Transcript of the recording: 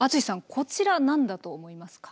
こちら何だと思いますか？